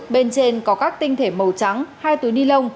bên trên có các tinh thể màu trắng hai túi ni lông